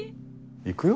行くよ。